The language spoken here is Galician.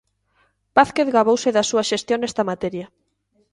Vázquez gabouse da súa xestión nesta materia.